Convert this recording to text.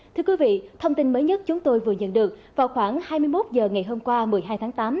thưa quý vị thông tin mới nhất chúng tôi vừa nhận được vào khoảng hai mươi một h ngày hôm qua một mươi hai tháng tám